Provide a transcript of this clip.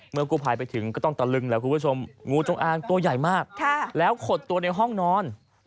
กู้ภัยไปถึงก็ต้องตะลึงแหละคุณผู้ชมงูจงอางตัวใหญ่มากแล้วขดตัวในห้องนอน